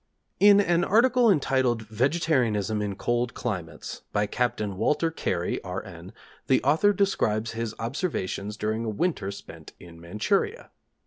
In an article entitled Vegetarianism in Cold Climates, by Captain Walter Carey, R.N., the author describes his observations during a winter spent in Manchuria.